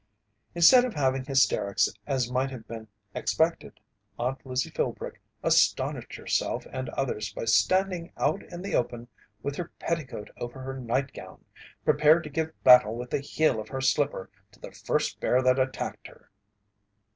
Instead of having hysterics as might have been expected, Aunt Lizzie Philbrick astonished herself and others by standing out in the open with her petticoat over her nightgown, prepared to give battle with the heel of her slipper to the first bear that attacked her.